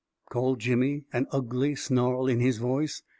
called Jimmy, an ugly snarl in his voice.